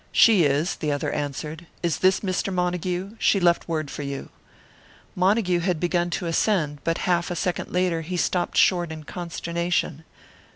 "She is," the other answered. "Is this Mr. Montague? She left word for you." Montague had begun to ascend; but a half a second later he stopped short in consternation.